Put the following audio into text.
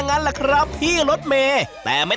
อันนี้โต๊ะไหน